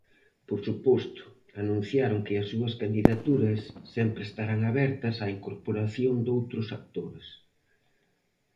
Por suposto, anunciaron que as súas candidaturas sempre estarán abertas á incorporación doutros actores.